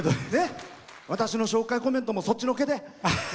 私の紹介コメントもそっちのけで。